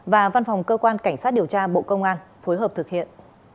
và văn phòng cơ quan cảnh sát điều tra bộ công an phối hợp thực hiện